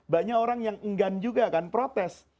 banyak orang yang enggan juga kan protes